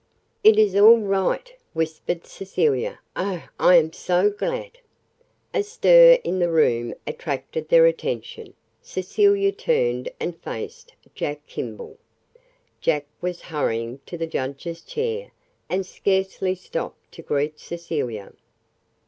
"It is all right," whispered Cecilia. "Oh, I am so glad!" A stir in the room attracted their attention. Cecilia turned and faced Jack Kimball. Jack was hurrying up to the judge's chair, and scarcely stopped to greet Cecilia.